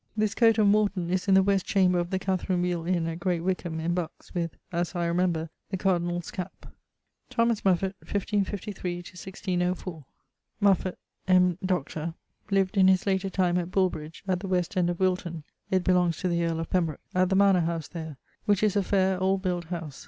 This coate of Moreton is in the west chamber of the Katherine wheele Inne at Great Wiccomb in Bucks, with (as I remember) the cardinall's cappe. =Thomas Mouffet= (1553 1604). ... Muffett, M.Dr., lived in his later time at Bulbridge (at the west end of Wilton it belongs to the earle of Pembroke) at the mannor house there, which is a faire old built house.